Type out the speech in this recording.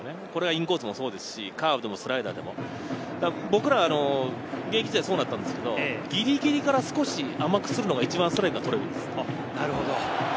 インコースもカーブもスライダーも僕らも現役時代、そうだったんですけど、ギリギリから少し甘くするのが一番ストライクが取れるんです。